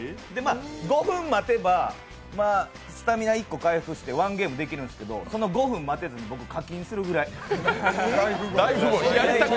５分待てばスタミナ１個回復してワンゲームできるんですけど、その５分待てずに僕課金するくらい。